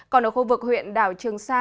còn ở khu vực huyện đảo trường sa